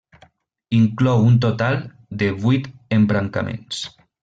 Inclou un total de vuit embrancaments.